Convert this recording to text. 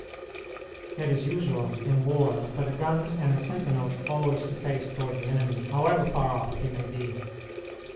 It is usual in war for the guns and the sentinels always to face toward the enemy, however far off he may be.